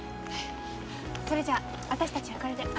それじゃ私たちはこれで。